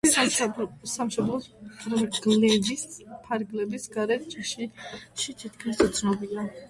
სამშობლოს ფარგლებს გარეთ ჯიში თითქმის უცნობია.